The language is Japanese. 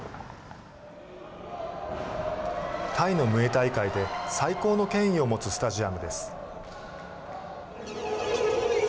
タイのムエタイ界で最高の権威を持つスタジアムです。